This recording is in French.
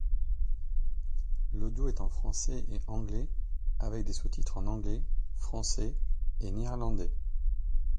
L'audio est en français et anglais avec des sous-titres en anglais, français et néerlandais.